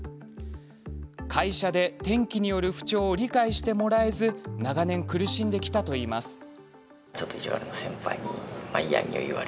会社で、天気による不調を理解してもらえず長年苦しんできたといいます。